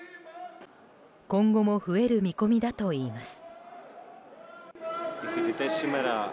今後も増える見込みだといいます。